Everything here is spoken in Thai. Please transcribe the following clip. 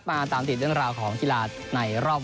มาตามติดเรื่องราวของกีฬาในรอบ